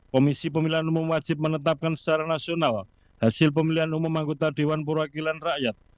komisi pemilihan umum wajib menetapkan secara nasional hasil pemilihan umum anggota dewan perwakilan rakyat